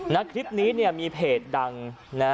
นะคลิปนี้เนี่ยมีเพจดังนะ